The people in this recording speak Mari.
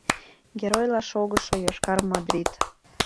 Геройла шогышо Йошкар Мадрид!